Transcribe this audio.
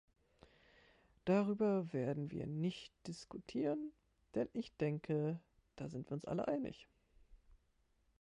Darüber werden wir nicht diskutieren, denn ich denke, da sind wir uns alle einig.